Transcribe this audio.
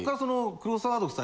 クロスワード夫妻。